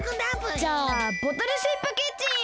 じゃあボトルシップキッチンへ！